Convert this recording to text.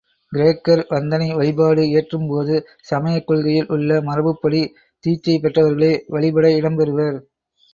கிரேக்கர் வந்தனை வழிபாடு இயற்றும்போது சமயக் கொள்கையில் உள்ள மரபுப்படி தீட்சை பெற்றவர்களே வழிபட இடம் பெறுவர்.